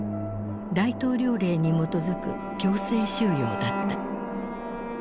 大統領令に基づく強制収容だった。